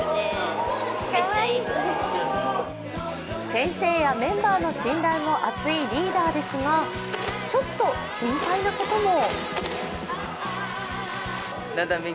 先生やメンバーの信頼も厚いリーダーですが、ちょっと心配なことも。